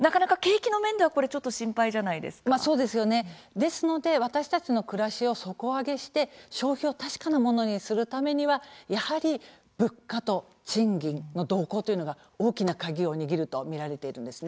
ですので私たちの暮らしを底上げして消費を確かなものにするためにはやはり物価と賃金の動向というのが大きな鍵を握ると見られているんですね。